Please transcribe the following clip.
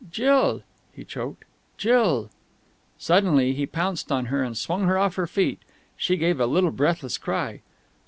"Jill!" He choked. "Jill!" Suddenly he pounced on her and swung her off her feet She gave a little breathless cry.